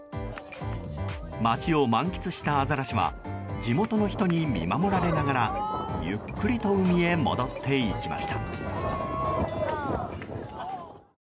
街を満喫したアザラシは地元の人に見守られながらゆっくりと海へ戻っていきました。